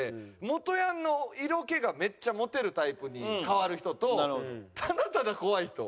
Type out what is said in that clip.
元ヤンの色気がめっちゃモテるタイプに変わる人とただただ怖い人。